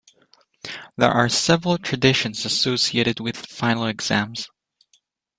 There are several traditions associated with final exams.